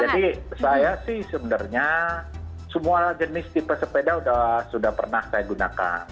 jadi saya sih sebenarnya semua jenis tipe sepeda sudah pernah saya gunakan